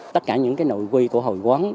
tất cả những nội quy của hội quán